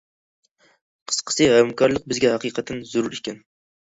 قىسقىسى، ھەمكارلىق بىزگە ھەقىقەتەن زۆرۈر ئىكەن.